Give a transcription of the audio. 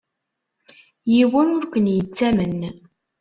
Yiwen ur ken-yettamen.